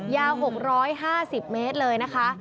ยาว๖๕๐เมตรเลยนะคะ